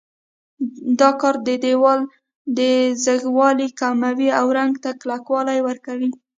دا کار د دېوال ځیږوالی کموي او رنګ ته کلکوالی ورکوي.